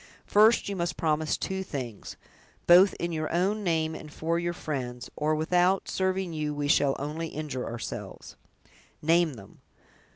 First, you must promise two things, both in your own name and for your friends, or without serving you we shall only injure ourselves!" "Name them."